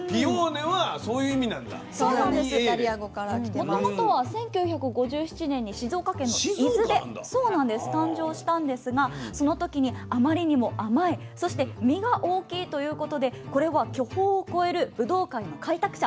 もともとは１９５７年に静岡県の伊豆で誕生したんですがその時にあまりにも甘いそして実が大きいということでこれは巨峰を超えるぶどう界の開拓者。